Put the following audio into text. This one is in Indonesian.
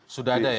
sudah ada ya